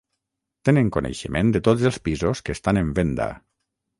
Tenen coneixement de tots els pisos que estan en venda.